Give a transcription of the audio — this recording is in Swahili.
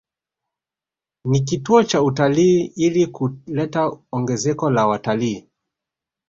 Ni kituo cha utalii ili kuleta ongezeko la wataliii